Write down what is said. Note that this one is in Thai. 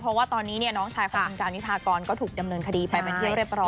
เพราะว่าตอนนี้น้องชายของคุณการวิพากรก็ถูกดำเนินคดีไปเป็นที่เรียบร้อย